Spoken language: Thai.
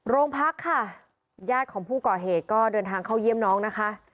โรงพักค่ะญาติของผู้ก่อเหตุก็เดินทางเข้าเยี่ยมน้องนะคะ